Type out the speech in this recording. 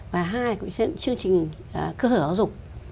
và hai là kiểm định chương trình cơ hội hóa dục